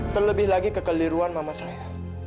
terlebih lagi kekeliruan mama saya